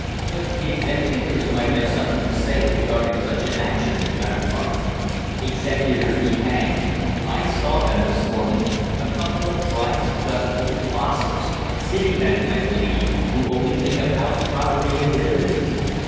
"But the executors might have something to say regarding such an action," I remarked. "Executors be hanged! I saw them this morning, a couple of dry as dust old fossils city men, I believe, who only think of house property and dividends.